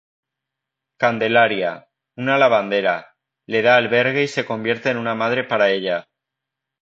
Candelaria, una lavandera, le da albergue y se convierte en una madre para ella.